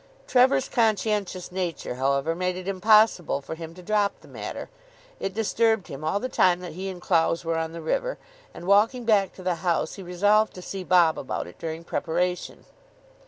Trevor's conscientious nature, however, made it impossible for him to drop the matter. It disturbed him all the time that he and Clowes were on the river; and, walking back to the house, he resolved to see Bob about it during preparation.